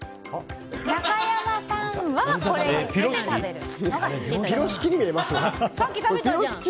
中山さんはこれにつけて食べるのが好きと。